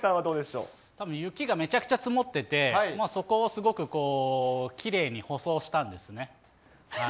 たぶん雪がめちゃくちゃ積もってて、そこをすごくこう、きれいに舗装したんですね。